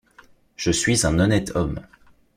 Je suis un honnête homme.